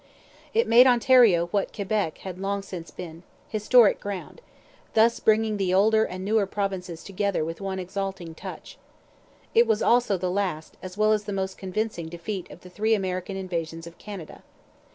It made Ontario what Quebec had long since been historic ground; thus bringing the older and newer provinces together with one exalting touch. It was also the last, as well as the most convincing, defeat of the three American invasions of Canada.